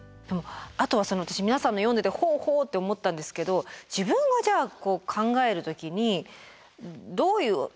あとは私皆さんのを読んでてほうほうって思ったんですけど自分がじゃあ考える時にどういう。